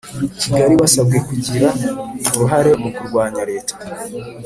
Kigali basabwe kugira uruhare mu kurwanya leta